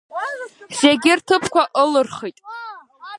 Зегьы рҭыԥқәа ылырхит.